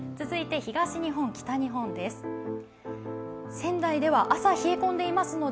続いて東日本、北日本です。